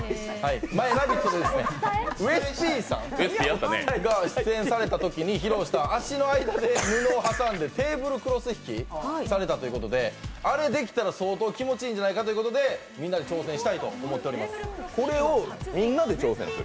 前「ラヴィット！」でウエスＰさんが出演されたときに披露した足の間で布を挟んでテーブルクロス引きされたということで、あれできたら相当気持ちいいんじゃないかということでみんなで挑戦したいと思っております。